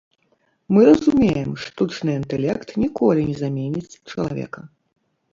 Мы разумеем, штучны інтэлект ніколі не заменіць чалавека.